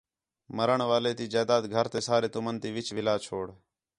مَرݨ والے تی جائیداد گھر تے سارے تُمن تی وِچ وِلا چھوڑ